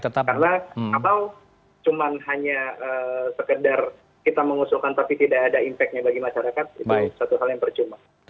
karena apal cuma hanya sekedar kita mengusulkan tapi tidak ada impact nya bagi masyarakat